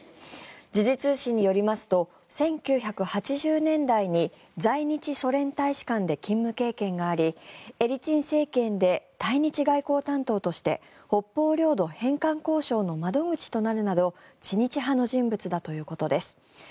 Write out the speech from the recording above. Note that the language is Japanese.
時事通信によりますと１９８０年代に在日ソ連大使館で勤務経験がありエリツィン政権で対日外交担当として北方領土返還交渉の窓口となるなど知日派の人物だということです。